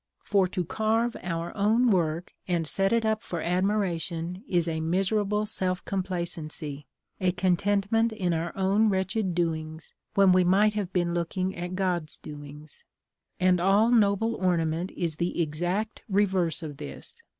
For to carve our own work, and set it up for admiration, is a miserable self complacency, a contentment in our own wretched doings, when we might have been looking at God's doings. And all noble ornament is the exact reverse of this.